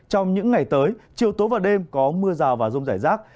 trong những ngày tới chiều tối và đêm có mưa rào và rông rải rác